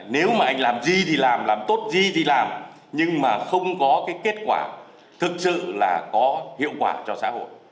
nếu mà anh làm gì thì làm làm tốt gì thì làm nhưng mà không có cái kết quả thực sự là có hiệu quả cho xã hội